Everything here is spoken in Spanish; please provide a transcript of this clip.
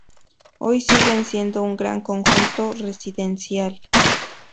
Hoy siguen siendo un gran conjunto residencial.